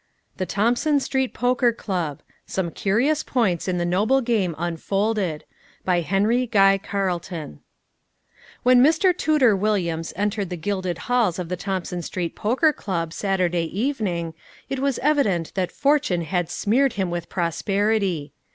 THE THOMPSON STREET POKER CLUB SOME CURIOUS POINTS IN THE NOBLE GAME UNFOLDED BY HENRY GUY CARLETON When Mr. Tooter Williams entered the gilded halls of the Thompson Street Poker Club Saturday evening it was evident that fortune had smeared him with prosperity.